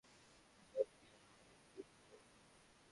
এটা EP housing বোর্ডই তো?